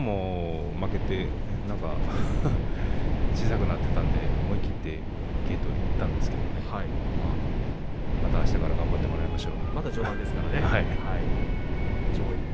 きのうも負けて小さくなっていたんですけども思い切っていけと言ったんですがまたあしたから頑張ってもらいましょう。